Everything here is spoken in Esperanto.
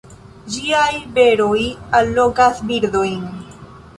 Ĝiaj beroj allogas birdojn.